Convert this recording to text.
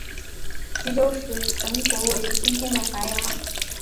西周时陈国位于今天的淮阳。